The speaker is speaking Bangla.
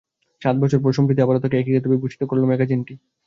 সাত বছর পর সম্প্রতি আবারও তাঁকে একই খেতাবে ভূষিত করল ম্যাগাজিনটি।